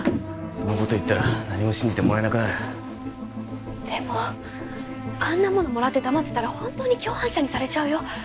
そんなこと言ったら何も信じてもらえなくなるでもあんなものもらって黙ってたらホントに共犯者にされちゃうよ